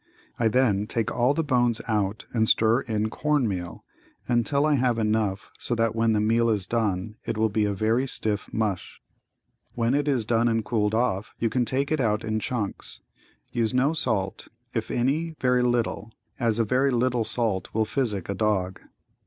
I then take all the bones out and stir in corn meal until I have enough so that when the meal is done it will be a very stiff mush. When it is done and cooled off you can take it out in chunks. Use no salt, if any, very little, as a very little salt will physic a dog.